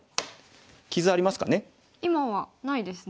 傷ありますかね？